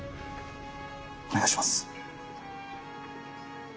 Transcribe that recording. お願いします！